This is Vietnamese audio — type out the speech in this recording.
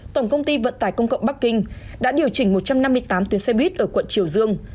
tổng công ty vận tải công cộng bắc kinh đã điều chỉnh một trăm năm mươi tám tuyến xe buýt ở quận triều dương